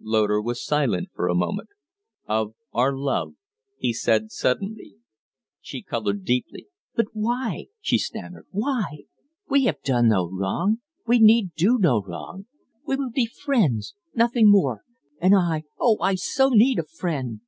Loder was silent for a moment. "Of our love," he said, steadily. She colored deeply. "But why?" she stammered; "why? We have done no wrong. We need do no wrong. We would be friends nothing more; and I oh, I so need a friend!"